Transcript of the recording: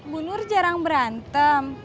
bu nur jarang berantem